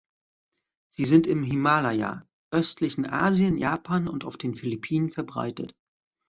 Sie sind im Himalaya, östlichen Asien, Japan und auf den Philippinen verbreitet.